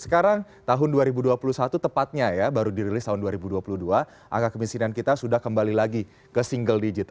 sekarang tahun dua ribu dua puluh satu tepatnya ya baru dirilis tahun dua ribu dua puluh dua angka kemiskinan kita sudah kembali lagi ke single digit